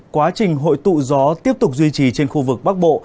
quá trình hội tụ gió tiếp tục duy trì trên khu vực bắc bộ